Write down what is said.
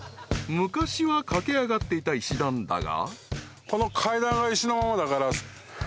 ［昔は駆け上がっていた石段だが］